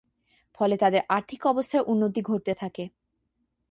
ফলে তাদের আর্থিক অবস্থার উন্নতি ঘটতে থাকে।